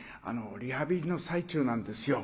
リハビリの最中なんですよ。